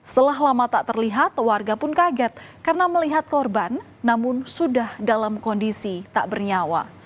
setelah lama tak terlihat warga pun kaget karena melihat korban namun sudah dalam kondisi tak bernyawa